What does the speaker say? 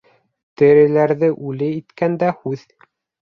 Тереләрҙе үле иткән дә һүҙ.